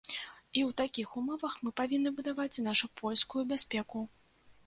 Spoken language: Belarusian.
І ў такіх умовах мы павінны будаваць нашую польскую бяспеку.